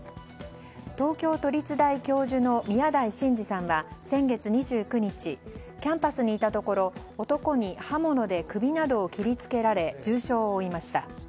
東京都立大教授の宮台真司さんは先月２９日キャンパスにいたところ男に刃物で首などを切りつけられ重傷を負いました。